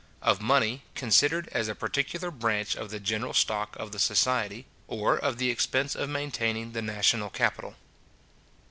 OF MONEY, CONSIDERED AS A PARTICULAR BRANCH OF THE GENERAL STOCK OF THE SOCIETY, OR OF THE EXPENSE OF MAINTAINING THE NATIONAL CAPITAL.